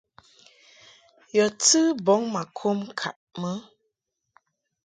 Yɔ̀ tɨ bɔŋ mà kom ŋkàʼ mɨ.